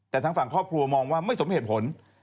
แต่ทางฝั่งครอบครัวมองว่าไม่สมเหตุผล